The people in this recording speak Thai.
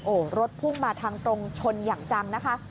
โอ้โหรถพุ่งมาทางตรงชนอย่างจังนะคะ